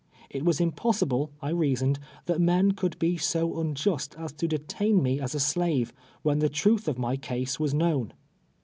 It v/as impossible, 1 rea soned, that men could l)e so unjust as to detain me as a slave, when the truth of my case was known.